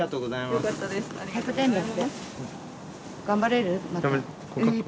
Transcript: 頑張れ。